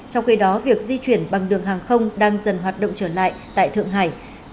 trong khi đó việc di chuyển bằng đường hàng không đang dần hoạt động trở lại tại thượng hải